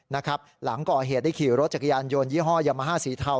หลังก่อเหตุได้ขี่รถจักรยานยนต์ยี่ห้อยามาฮ่าสีเทา